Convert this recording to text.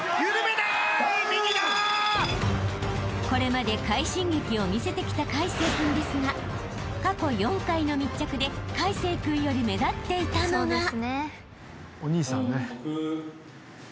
［これまで快進撃を見せてきた魁成君ですが過去４回の密着で魁成君より目立っていたのが］